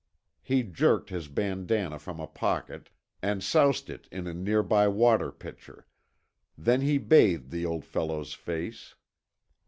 He jerked his bandanna from a pocket and soused it in a near by water pitcher; then he bathed the old fellow's face.